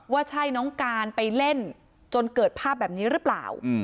ว่าใช่น้องการไปเล่นจนเกิดภาพแบบนี้หรือเปล่า